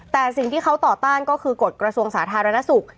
แต่สิ่งที่เขาต่อต้านก็คือกฎกระทรวงสาธารณสุข